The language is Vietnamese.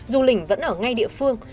dù lỉnh vẫn ở ngay địa phương